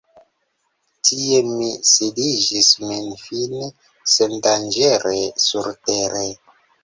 Tie mi sidigis min, fine sendanĝere surtere.